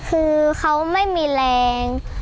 คือเขาไม่มีแรง